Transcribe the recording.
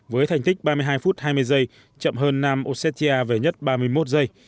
với thành tích ba mươi hai phút hai mươi giây chậm hơn nam australia về nhất ba mươi một giây